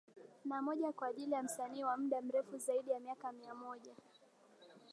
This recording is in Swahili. Na moja kwa ajili ya Msanii wa mda mrefu zaidi ya miaka mia moja